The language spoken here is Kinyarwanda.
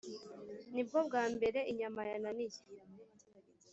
Nibwo bwambere inyama yananiye